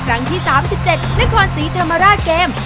ครั้งที่๓๗นครศรีธรรมราชเกม